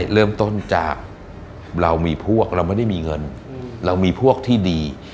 เรามีพวกที่ดี